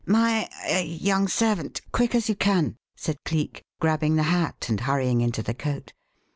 "My er young servant quick as you can!" said Cleek, grabbing the hat and hurrying into the coat.